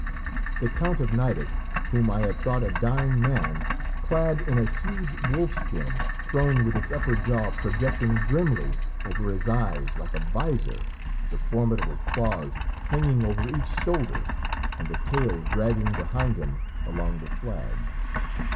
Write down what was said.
The Count of Nideck, whom I had thought a dying man, clad in a huge wolf skin thrown with its upper jaw projecting grimly over his eyes like a visor, the formidable claws hanging over each shoulder, and the tail dragging behind him along the flags.